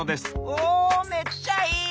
おめっちゃいい！